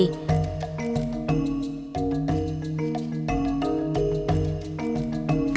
และแบบยกพระหัดขวา